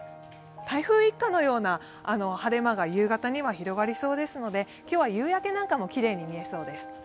台風一過のような晴れ間が夕方には広がりそうですので、今日は夕やけなんかもきれいに見えそうです。